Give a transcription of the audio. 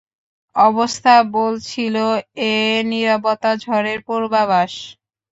অবস্থা বলছিল, এ নীরবতা ঝড়ের পূর্বাভাস।